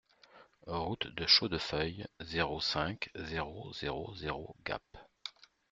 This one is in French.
Route de Chaudefeuille, zéro cinq, zéro zéro zéro Gap